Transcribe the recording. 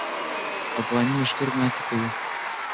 افغاني لښکر ماتې کوي.